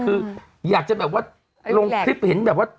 คืออยากจะแบบว่าลงคลิปเห็นแบบว่า